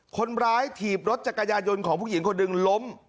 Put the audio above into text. ถีบรถจักรยายนต์ของผู้หญิงคนหนึ่งล้ม